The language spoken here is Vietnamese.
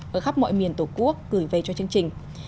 ở khắp mọi miền tổ quốc gửi về cho chương trình